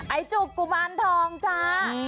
ไอ้จุกกุมานทองจ้า